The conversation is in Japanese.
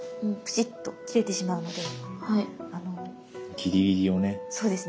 ギリギリをね。